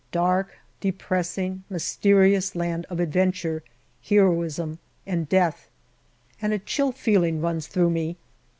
Dark, depressing, mysterious land of adventure, heroism, and death, and a chill feeling runs through me.